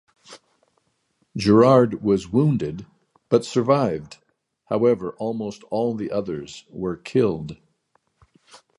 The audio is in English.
Gerard was wounded, but survived; however, almost all the others were killed.